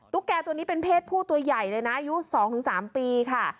แกตัวนี้เป็นเพศผู้ตัวใหญ่เลยนะอายุ๒๓ปีค่ะ